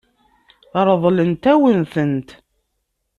Ṛeḍlent-awen-tent.